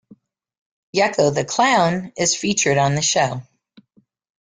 Yucko the Clown is featured on the show.